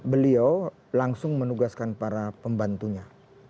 beliau langsung menugaskan para pembantunya